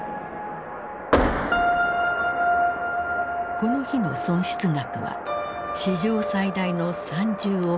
この日の損失額は史上最大の３０億ドル。